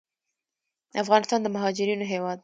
افغانستان د مهاجرینو هیواد دی